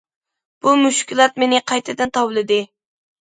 بۇ مۈشكۈلات مېنى قايتىدىن تاۋلىدى.